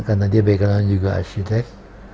karena dia baik baiknya juga arsitek